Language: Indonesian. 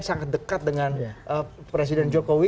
sangat dekat dengan presiden jokowi